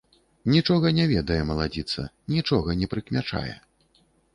Нічога не ведае маладзіца, нічога не прыкмячае.